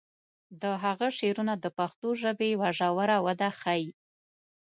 د هغه شعرونه د پښتو ژبې یوه ژوره وده ښیي.